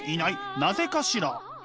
なぜかしら？」。